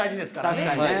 確かにね。